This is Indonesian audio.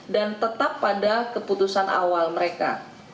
dan tetap pada keputusan awal mereka